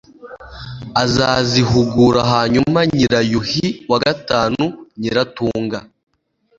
Azazihugura hanyuma NYIRAYUHI IV NYIRATUNGA